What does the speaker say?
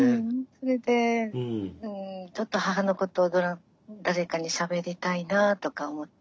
それでちょっと母のことを誰かにしゃべりたいなあとか思って。